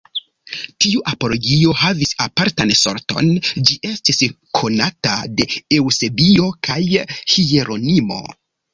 Tiu apologio havis apartan sorton, Ĝi estis konata de Eŭsebio kaj Hieronimo.